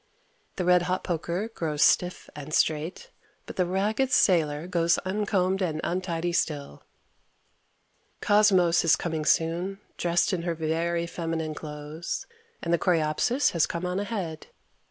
The red hot poker grows stiff and straight, but the ragged sailor goes uncombed and untidy still. Cosmos is coming soon, dressed in her very feminine clothes, and the coreopsis has come on ahead.